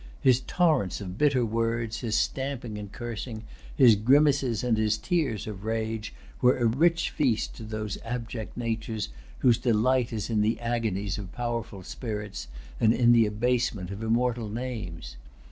His torrents of bitter words, his stamping and cursing, his grimaces and his tears of rage, were a rich feast to those abject natures whose delight is in the agonies of powerful spirits and in the abasement of immortal names.